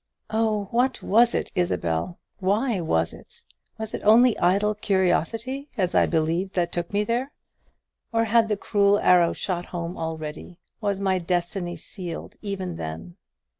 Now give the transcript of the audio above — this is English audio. Oh, what was it, Isabel? why was it? Was it only idle curiosity, as I believed, that took me there? Or had the cruel arrow shot home already; was my destiny sealed even then?